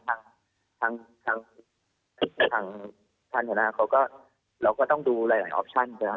ทางฐานะเขาก็เราก็ต้องดูหลายออปชันค่ะ